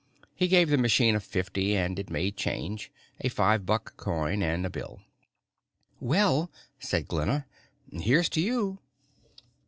He gave the machine a fifty and it made change, a five buck coin and a bill. "Well," said Glenna, "here's to you."